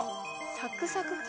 サクサク剣。